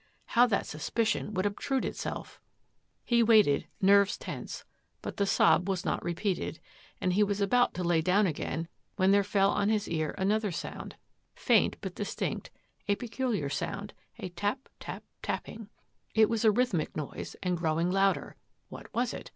How that sus would obtrude itself! 26 A NIGHT OF ADVENTURE «7 He waited, nerves tense, but the sob was not repeated, and he was about to lay down again when there fell on his ear another sound, faint but distinct, a peculiar sound — a tap, tap, tapping. It was a rhythmic noise and growing louder. What was it?